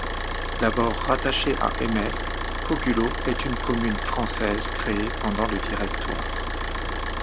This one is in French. D'abord rattachée à Eymet, Cogulot est une commune française créée pendant le Directoire.